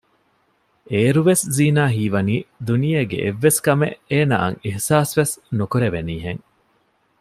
އޭރުވެސް ޒީނާ ހީވަނީ ދުނިޔޭގެ އެއްވެސްކަމެއް އޭނައަށް އިހްސާސް ވެސް ނުކުރެވެނީ ހެން